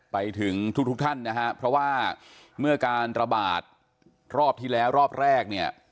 ไปถึงทุกท่านนะฮะเพราะว่าเมื่อการระบาดรอบที่แล้วรอบแรกเนี่ย